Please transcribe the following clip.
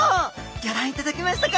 ギョ覧いただけましたか？